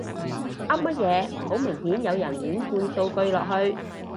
噏乜嘢，好明顯有人亂灌數據落去